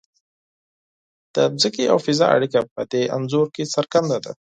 د ځمکې او فضا اړیکه په دې انځور کې څرګنده ده.